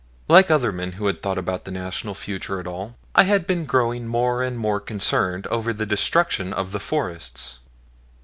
Like other men who had thought about the national future at all, I had been growing more and more concerned over the destruction of the forests.